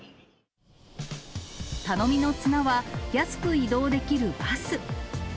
頼みの綱は、安く移動できるバス。